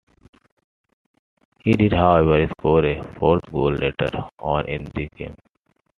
He did, however, score a fourth goal later on in the game.